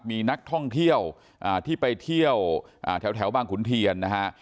มีนักท่องเที่ยวที่ไปเที่ยวแถวบางขุนเทียนนะฮะ